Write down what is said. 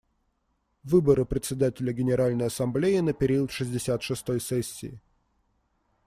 Выборы Председателя Генеральной Ассамблеи на период шестьдесят шестой сессии.